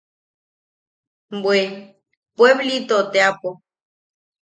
–Bwe, pueblito teapo.